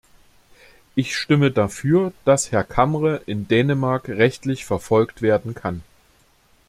Ich stimme dafür, dass Herr Camre in Dänemark rechtlich verfolgt werden kann.